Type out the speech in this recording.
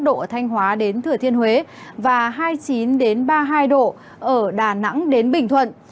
độ ở thanh hóa đến thừa thiên huế và hai mươi chín ba mươi hai độ ở đà nẵng đến bình thuận